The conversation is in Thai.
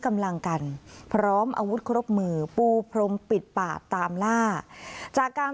กำลังกันพร้อมอาวุธครบมือปูพรมปิดปากตามล่าจากการ